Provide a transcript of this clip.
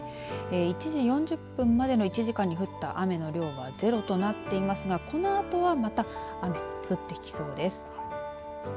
１時４０分までの１時間に降った雨の量はゼロとなっていますがこのあとは雨降ってきそうです。